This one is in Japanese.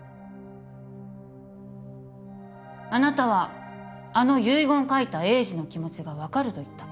あなたはあの遺言を書いた栄治の気持ちが分かると言った。